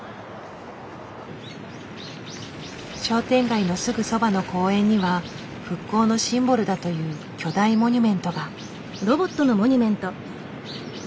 商店街のすぐそばの公園には復興のシンボルだという巨大モニュメントが。